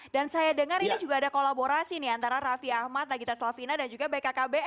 dan saya dengar ini juga ada kolaborasi nih antara rafi ahmad nagita slavina dan juga bkkbn ya pak hasto ya